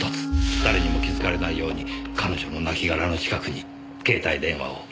誰にも気づかれないように彼女の亡きがらの近くに携帯電話を戻すためです。